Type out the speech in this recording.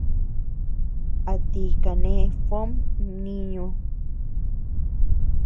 ¿A ti kane Fom mniñu?